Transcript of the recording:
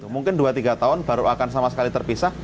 mungkin dua tiga tahun baru akan sama sekali terpisah